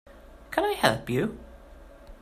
Can I help you?